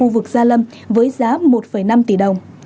với giá một năm tỷ đồng